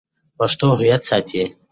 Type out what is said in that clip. پښتو هویت ساتي.